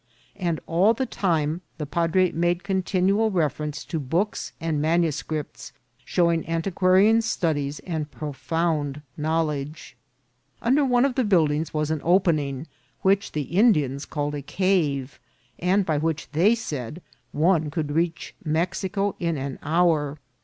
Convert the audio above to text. And all the time the padre made continual reference to books and manuscripts, showing antiquarian studies and pro found knowledge. Under one of the buildings was an opening which the Indians called a cave, and by which they said one could reach Mexico in an hour.